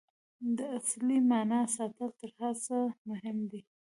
د اصلي معنا ساتل تر هر څه مهم دي.